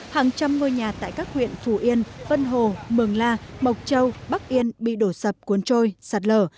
hàng trăm ngôi nhà tại các huyện phù yên vân hồ mường la mộc châu bắc yên bị đổ sập cuốn trôi sạt lở